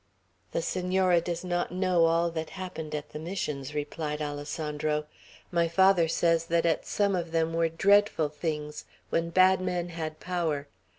"The Senora does not know all that happened at the Missions," replied Alessandro. "My father says that at some of them were dreadful things, when bad men had power.